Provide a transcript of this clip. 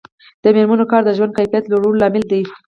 د میرمنو کار د ژوند کیفیت لوړولو لامل دی.